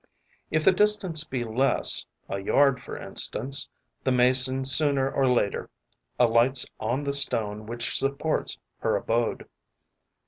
If the distance be less, a yard for instance, the Mason sooner or later alights on the stone which supports her abode.